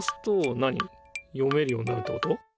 読めるようになるってこと？